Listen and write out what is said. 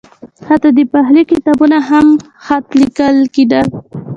حتی د پخلي کتابونه هم په خط لیکل کېدل.